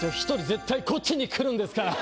絶対こっちにくるんですから！